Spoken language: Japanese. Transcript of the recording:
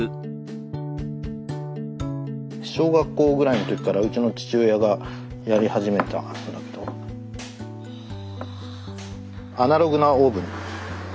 小学校ぐらいの時からうちの父親がやり始めたことだけど「アナログなオーブン」。